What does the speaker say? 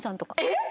えっ！？